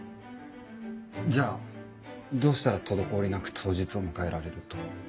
じゃあどうしたら滞りなく当日を迎えられると。